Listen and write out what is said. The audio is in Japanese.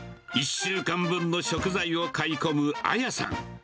１週間分の食材を買い込むあやさん。